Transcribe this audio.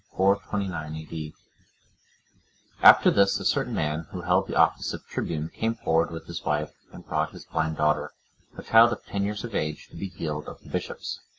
[429 A.D.] After this, a certain man, who held the office of tribune, came forward with his wife, and brought his blind daughter, a child of ten years of age, to be healed of the bishops.